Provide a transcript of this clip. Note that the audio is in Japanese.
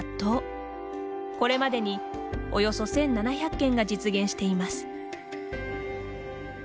これまでにおよそ１７００件が実現しています。